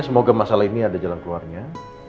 semoga masalah ini ada jalan keluarnya